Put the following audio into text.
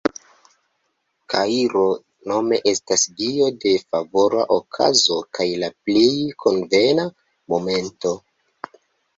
Kairo nome estas dio de "favora okazo kaj la plej konvena momento".